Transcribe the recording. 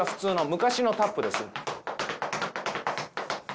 昔のタップです。